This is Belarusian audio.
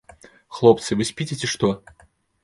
Хлопцы, вы спіце, ці што?